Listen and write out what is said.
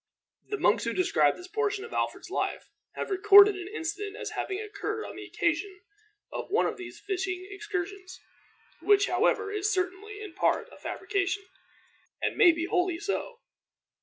The monks who describe this portion of Alfred's life have recorded an incident as having occurred on the occasion of one of these fishing excursions, which, however, is certainly, in part, a fabrication, and may be wholly so.